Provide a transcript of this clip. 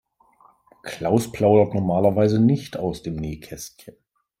Klaus plaudert normalerweise nicht aus dem Nähkästchen.